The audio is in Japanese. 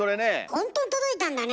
本当に届いたんだね。